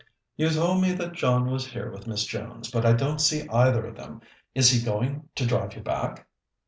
"You told me that John was here with Miss Jones, but I don't see either of them. Is he going to drive you back?"